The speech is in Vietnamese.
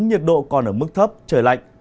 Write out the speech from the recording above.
nhiệt độ còn ở mức thấp trời lạnh